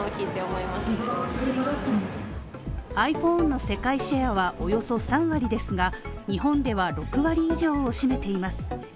ｉＰｈｏｎｅの世界シェアはおよそ３割ですが、日本では６割以上を占めています。